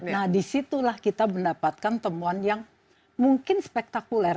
nah disitulah kita mendapatkan temuan yang mungkin spektakuler